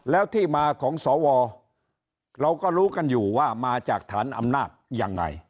แล้วที่มาของสวเราก็รู้กันอยู่ว่ามาจากฐานอำนาจยังไง